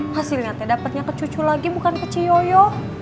hasilnya teh dapatnya ke cucu lagi bukan ke ciyoyo